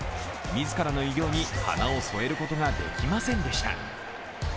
自らの偉業に花を添えることができませんでした。